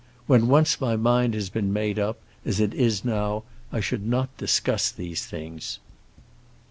When once my mind has been made up, as it is now, I should not discuss these things.